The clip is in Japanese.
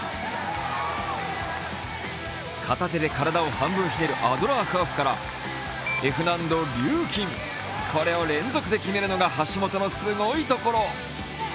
片手で体を半分ひねるアドラーハーフからＦ難度リューキン、これを連続で決めるのが橋本のすごいところ。